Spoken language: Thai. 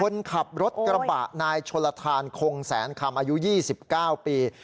คนขับรถกระบะนายชนลทานคงแสนคำอายุ๒๙ปี